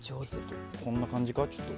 こんな感じか？